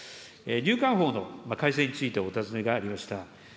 入管法の改正についてお尋ねがありました。